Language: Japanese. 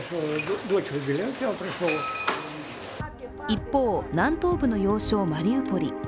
一方、南東部の要衝・マリウポリ。